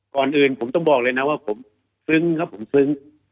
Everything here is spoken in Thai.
ก่อนอื่นผมต้องบอกเลยนะว่าผมซึ้งครับผมซึ้ง